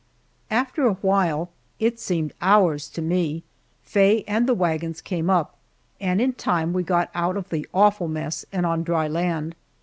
After a while it seemed hours to me Faye and the wagons came up, and in time we got out of the awful mess and on dry land.